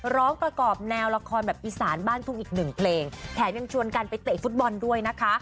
ร้องประกอบแนวละครแบบอีสานบ้านทุ่งอีกหนึ่งเพลงแถมยังชวนกันไปเตะฟุตบอลด้วยนะคะ